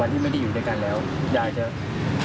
ที่ไม่ได้อยู่ด้วยกันแล้วยายจะ